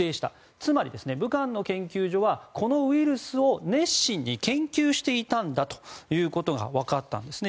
つまり、武漢の研究所はこのウイルスを熱心に研究していたんだということが分かったんですね。